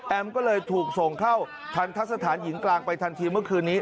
ก็เลยถูกส่งเข้าทันทะสถานหญิงกลางไปทันทีเมื่อคืนนี้